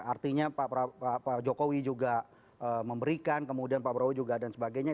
artinya pak jokowi juga memberikan kemudian pak prabowo juga dan sebagainya